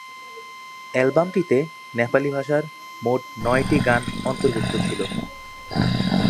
অ্যালবামটিতে নেপালি-ভাষার মোট নয়টি গান অন্তর্ভুক্ত ছিল।